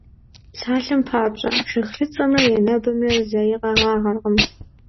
Псалъэм папщӀэ, жыглыцымрэ енэбымрэ зэи къэгъагъэркъым.